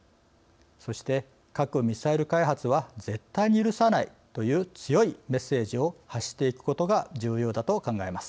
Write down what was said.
そして核・ミサイル開発は絶対に許さないという強いメッセージを発していくことが重要だと考えます。